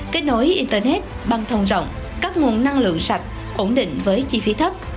kết nối internet băng thông rộng các nguồn năng lượng sạch ổn định với chi phí thấp